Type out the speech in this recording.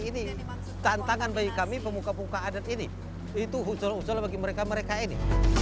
ini tantangan bagi kami pemuka pemuka adat ini itu usul usul bagi mereka mereka ini